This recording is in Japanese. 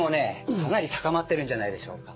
かなり高まってるんじゃないでしょうか。